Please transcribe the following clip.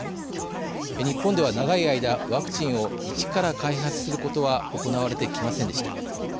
日本では長い間ワクチンを１から開発することは行われてきませんでした。